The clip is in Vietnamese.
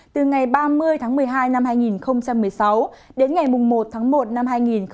từ ngày ba mươi tháng một mươi hai năm hai nghìn một mươi sáu đến ngày một tháng một năm hai nghìn một mươi chín